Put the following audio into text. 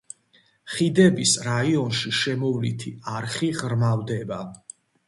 ხიდების რაიონში შემოვლითი არხი ღრმავდება.